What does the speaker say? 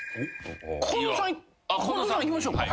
近藤さんいきましょうか。